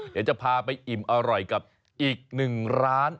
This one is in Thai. เดี๋ยวจะพาไปอิ่มอร่อยกับอีกหนึ่งร้าน